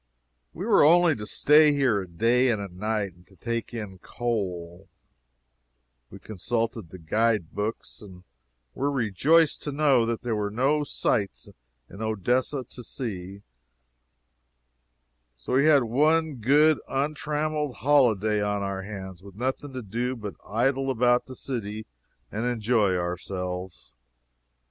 We were only to stay here a day and a night and take in coal; we consulted the guide books and were rejoiced to know that there were no sights in Odessa to see; and so we had one good, untrammeled holyday on our hands, with nothing to do but idle about the city and enjoy ourselves.